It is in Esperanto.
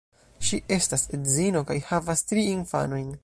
Ŝi estas edzino kaj havas tri infanojn.